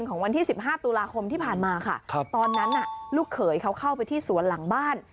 ของวันที่๑๕ตุลาคมที่ผ่านมาค่ะตอนนั้นน่ะลูกเขยเขาเข้าไปที่สวนหลังบ้าน